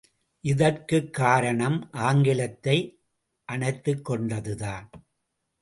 இதற்குக் காரணம் ஆங்கிலத்தை அனைத்துக் கொண்டதுதான்!